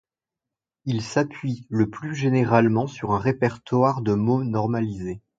Il s'appuie le plus généralement sur un répertoire de mots normalisés.